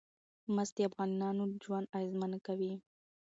مس د افغانانو ژوند اغېزمن کوي.